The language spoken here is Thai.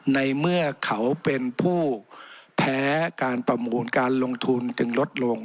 ในเมื่อเขาเป็นผู้แพ้การประมูลการลงทุนจึงลดลง